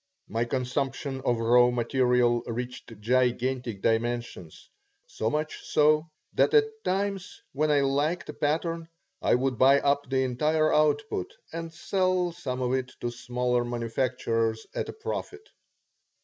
My consumption of raw material reached gigantic dimensions, so much so that at times, when I liked a pattern, I would buy up the entire output and sell some of it to smaller manufacturers at a profit.